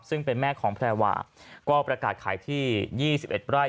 ซึ่งเป็นแม่ของแพรวาก็ประกาศขายที่๒๑ไร่